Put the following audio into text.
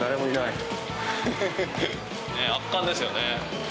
圧巻ですよね。